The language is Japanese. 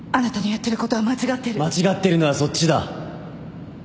間違ってるのはそっちだ